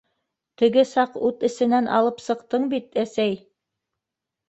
Теге саҡ ут эсенән алып сыҡтың бит, әсәй!